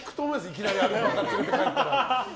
いきなりアルパカ連れて帰ったら。